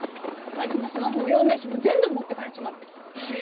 財布もスマホも養命酒も全部持ってかれちまって。